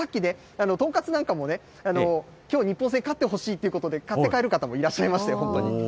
トンカツなんかもきょう日本戦勝ってほしいということで、買って帰る方もいらっしゃいましたよ、本当に。